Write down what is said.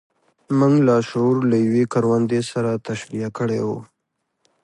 موږ لاشعور له يوې کروندې سره تشبيه کړی و.